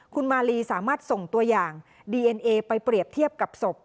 คุณมาลีสามารถส่งตัวอย่างดีเอ็นเอไปเปรียบเทียบกับศพ